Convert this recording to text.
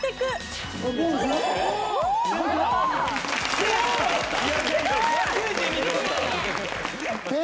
すごい！